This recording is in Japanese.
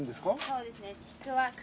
そうですね。